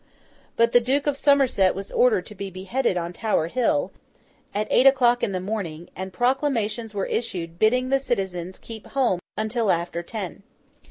But the Duke of Somerset was ordered to be beheaded on Tower Hill, at eight o'clock in the morning, and proclamations were issued bidding the citizens keep at home until after ten.